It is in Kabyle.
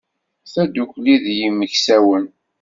Tadukli d yimeksawen.